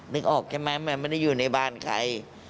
นึกออกใช่ไหมมันไม่ได้อยู่ในบ้านใคร